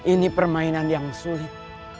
ini permainan yang sulit